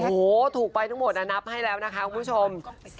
โอ้โหถูกไปทั้งหมดนับให้แล้วนะคะคุณผู้ชม